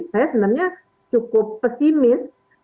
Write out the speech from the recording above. saya sebenarnya cukup pesimis